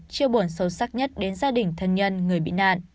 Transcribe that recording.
chiêu buồn sâu sắc nhất đến gia đình thân nhân người bị nạn